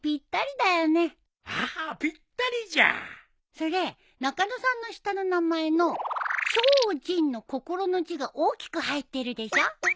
それ中野さんの下の名前の「小心」の「心」の字が大きく入ってるでしょ？